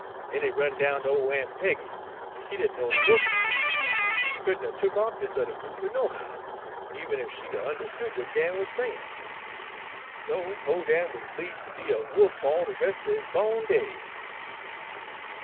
Den he run down ter ole Aun' Peggy, but she didn' know de wolf langwidge, en couldn't 'a' tuk off dis yuther goopher nohow, eben ef she'd 'a' unnerstood w'at Dan wuz sayin'. So po' Dan wuz bleedgd ter be a wolf all de rest er his bawn days.